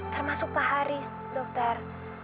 termasuk pak haris dokter